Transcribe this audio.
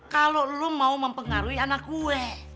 kalo lo mau mempengaruhi anak gue